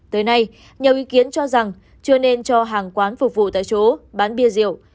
tới nay nhiều ý kiến cho rằng chưa nên cho hàng quán phục vụ tại chỗ bán bia rượu